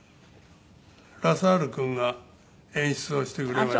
ラサール君が演出をしてくれました。